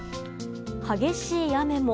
激しい雨も。